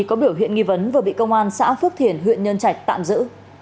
có biểu hiện nghi vấn và bị công an xã phước thiển huyện nhân trạch tạm giữ